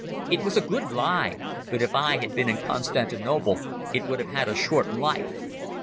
It was a good lie; but if I had been in Constantinople it would have had a short life.